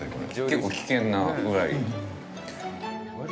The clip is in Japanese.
結構危険なぐらい。